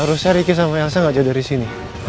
harusnya ricky sama elsa gak jauh dari sini